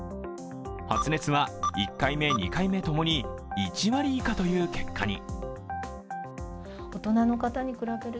発熱は１回目、２回目ともに１割以下という結果に。